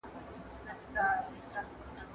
په نړۍ کي د سولي غږ پورته کړئ.